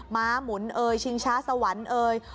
้าหมุนเอ่ยชิงช้าสวรรค์เอ่ย